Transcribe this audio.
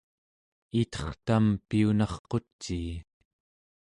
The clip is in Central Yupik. itertam piyunarqucii